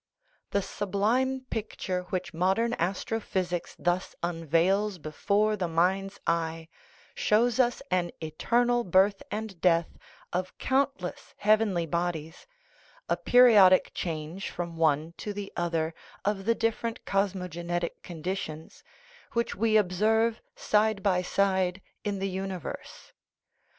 The sublime picture which modern astrophysics thus unveils before the mind's eye shows us an eternal birth and death of countless heavenly bodies, a peri odic change from one to the other of the different cos mogenetic conditions, which we observe side by side in the universe.